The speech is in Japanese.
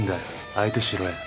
相手しろや。